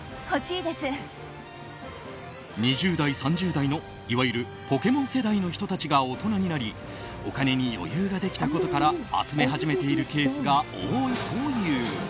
２０代、３０代のいわゆるポケモン世代の人たちが大人になりお金に余裕ができたことから集め始めているケースが多いという。